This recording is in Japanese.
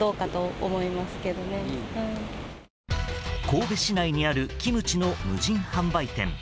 神戸市内にあるキムチの無人販売店。